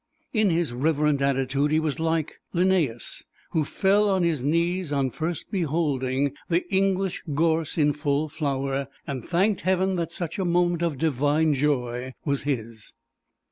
In his reverent attitude he was like Linnæus, who fell on his knees on first beholding the English gorse in full flower, and thanked Heaven that such a moment of divine joy was his.